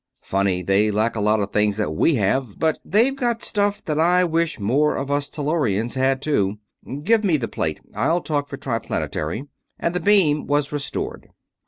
Funny they lack a lot of things that we have; but they've got stuff that I wish more of us Tellurians had, too. Give me the plate I'll talk for Triplanetary," and the beam was restored.